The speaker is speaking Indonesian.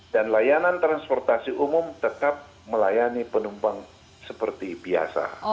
dan layanan transportasi umum tetap melayani penumpang seperti biasa